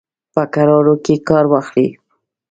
په کرارولو کې کار واخلي.